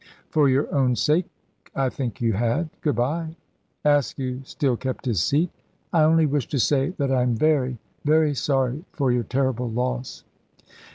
"For your own sake, I think you had. Good bye." Askew still kept his seat. "I only wish to say that I am very very sorry for your terrible loss."